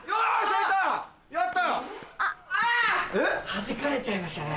弾かれちゃいましたね。